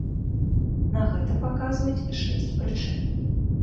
На гэта паказваюць шэсць прычын.